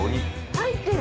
入ってる。